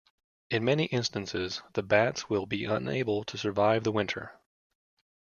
In many instances the bats will be unable to survive the winter.